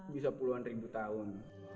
bisa puluhan ribu tahun